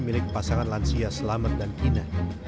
milik pasangan lansia selamet dan kina